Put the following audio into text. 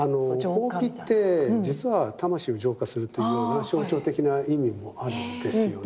ほうきって実は魂を浄化するというような象徴的な意味もあるんですよね。